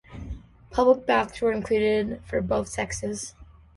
Public baths were included for both sexes.